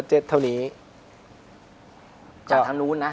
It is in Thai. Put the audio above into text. จากทางนู้นนะ